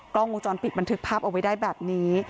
กล้องวงจรปิดบันทึกภาพเอาไว้ได้แบบนี้